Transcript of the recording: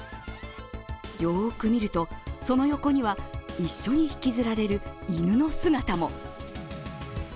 よーく見ると、その横には一緒に引きずられる犬の姿も。